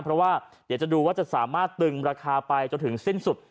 เพราะว่าเดี๋ยวจะดูว่าจะสามารถตึงราคาไปจนถึงสิ้นสุด